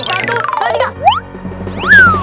satu dua tiga